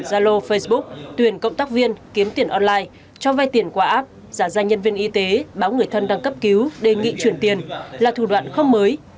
gia lô facebook tuyển cộng tác viên kiếm tiền online cho vai tiền qua app giả danh nhân viên y tế báo người thân đang cấp cứu đề nghị chuyển tiền là thủ đoạn không mới